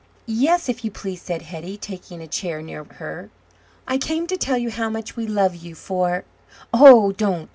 "Yes, if you please," said Hetty, taking a chair near her. "I came to tell you how much we love you for " "Oh, don't!